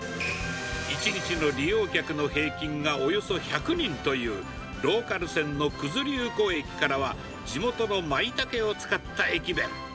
１日の利用客の平均がおよそ１００人という、ローカル線の九頭竜湖駅からは、地元のまいたけを使った駅弁。